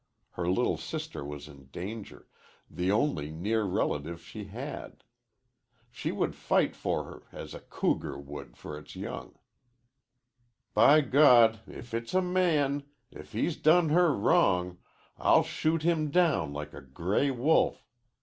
Her little sister was in danger, the only near relative she had. She would fight for her as a cougar would for its young. "By God, if it's a man if he's done her wrong I'll shoot him down like a gray wolf.